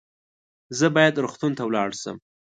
زه باید روغتون ته ولاړ شم